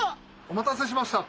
お待たせしました。